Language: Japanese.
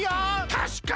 たしかに！